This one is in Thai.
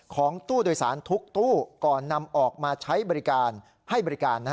ของตู้โดยสารทุกตู้ก่อนนำออกมาใช้บริการให้บริการ